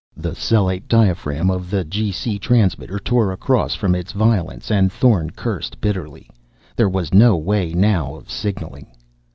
The cellate diaphragm of the G.C. transmitter tore across from its violence and Thorn cursed bitterly. There was no way, now, of signaling....